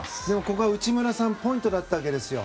ここは内村さんポイントだったわけですよ。